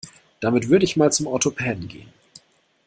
Damit würde ich mal zum Orthopäden gehen.